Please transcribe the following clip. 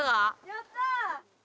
・やった！